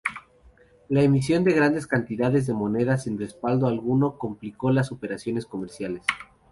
La emisión de grandes cantidades de moneda sin respaldo alguno complicó las operaciones comerciales.